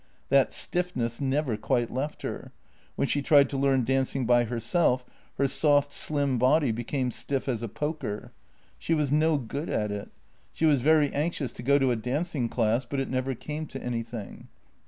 That stiffness never quite left her; when she tried to learn dancing by herself her soft, slim body became stiff as a poker. She was no good JENNY 9i at it. She was very anxious to go to a dancing class, but it never came to anything.